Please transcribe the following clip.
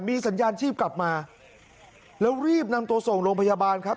มีสัญญาณชีพกลับมาแล้วรีบนำตัวส่งโรงพยาบาลครับ